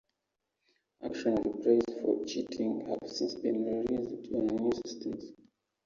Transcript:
Action Replays for cheating have since been released on newer systems.